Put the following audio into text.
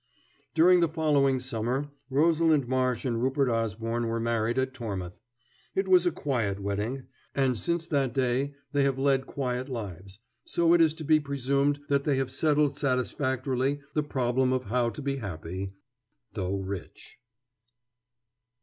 During the following summer Rosalind Marsh and Rupert Osborne were married at Tormouth. It was a quiet wedding, and since that day they have led quiet lives, so it is to be presumed that they have settled satisfactorily the problem of how to be happy though rich.